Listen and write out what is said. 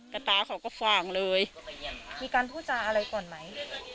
แต่ตาเขาก็สว่างเลยมีการพูดจาอะไรก่อนไหม